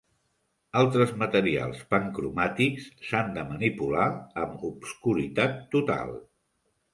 Altres materials pancromàtics s'han de manipular amb obscuritat total.